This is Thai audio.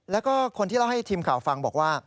แล้วก็คนที่เล่าให้ทีมข่าวฟังบอกว่า